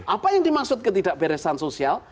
apa yang dimaksud ketidakberesan sosial